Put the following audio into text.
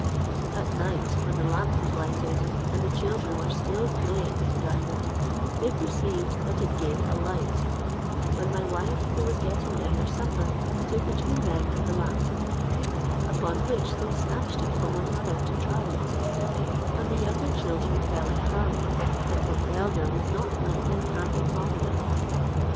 At night when the lamp was lighted, and the children were still playing with the diamond, they perceived that it gave a light, when my wife, who was getting them their supper, stood between them and the lamp; upon which they snatched it from one another to try it; and the younger children fell a crying, that the elder would not let them have it long enough.